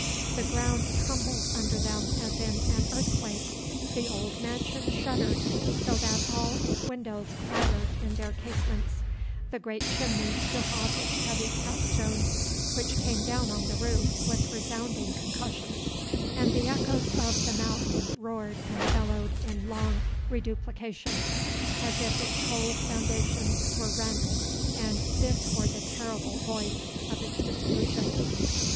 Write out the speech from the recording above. The ground trembled under them as in an earthquake; the old mansion shuddered so that all its windows chattered in their casements; the great chimney shook off its heavy cap stones, which came down on the roof with resounding concussions; and the echoes of The Mountain roared and bellowed in long reduplication, as if its whole foundations were rent, and this were the terrible voice of its dissolution.